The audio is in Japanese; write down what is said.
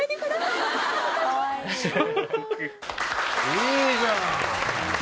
いいじゃん！